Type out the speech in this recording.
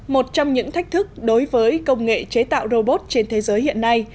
một trong những thách thức đối với công nghệ chế tạo robot trên thế giới hiện nay